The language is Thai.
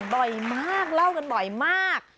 บ่อยมากเล่ากันบ่อยมาก